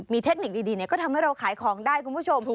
มีเทคนิคดีก็ทำให้เราขายของได้คุณผู้ชม